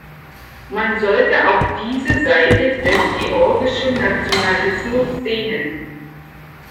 Man sollte auch diese Seite des georgischen Nationalismus sehen.